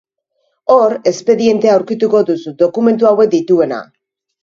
Hor, espedientea aurkituko duzu, dokumentu hauek dituena.